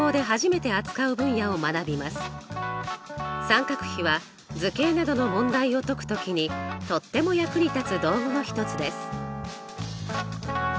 三角比は図形などの問題を解く時にとっても役に立つ道具の一つです。